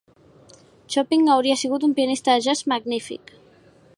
Chopin hauria sigut un pianista de jazz magnífic.